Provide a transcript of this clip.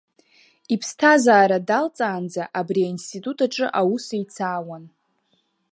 Иԥсҭазаара далҵаанӡа абри аинститут аҿы аус еицаауан.